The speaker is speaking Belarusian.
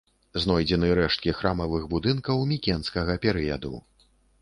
Знойдзены рэшткі храмавых будынкаў мікенскага перыяду.